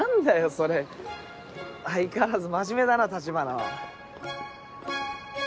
それ相変わらず真面目だな橘は。